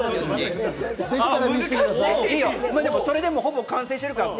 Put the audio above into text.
それでもほぼ完成してるかな？